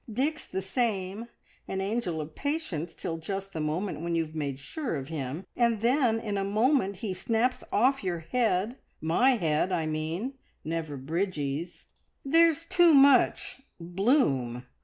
"Dick's the same an angel of patience till just the moment when you've made sure of him, and then in a moment he snaps off your head my head, I mean, never Bridgie's. There's too much bloom."